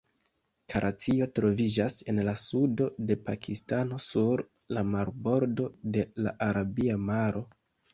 Karaĉio troviĝas en la sudo de Pakistano, sur la marbordo de la Arabia Maro.